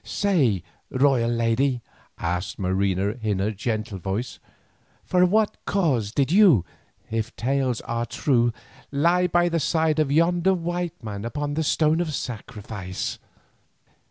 "Say, royal lady," asked Marina in her gentle voice, "for what cause did you, if tales are true, lie by the side of yonder white man upon the stone of sacrifice?"